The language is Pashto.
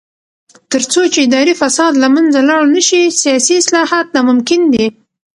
تر څو چې اداري فساد له منځه لاړ نشي، سیاسي اصلاحات ناممکن دي.